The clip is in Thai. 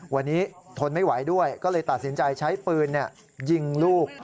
วันนี้ทนไม่ไหวด้วยก็เลยตัดสินใจใช้ปืนยิงลูก